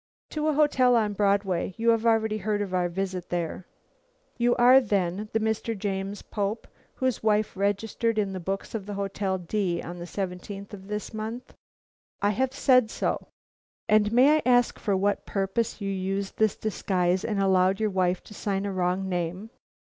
"To a hotel on Broadway; you have already heard of our visit there." "You are, then, the Mr. James Pope, whose wife registered in the books of the Hotel D on the seventeenth of this month?" "I have said so." "And may I ask for what purpose you used this disguise, and allowed your wife to sign a wrong name?"